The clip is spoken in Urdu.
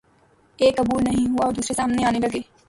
ایک عبور نہیں ہوا اور دوسرے سامنے آنے لگے۔